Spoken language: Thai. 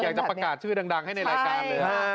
อยากจะประกาศชื่อดังให้ในรายการเลย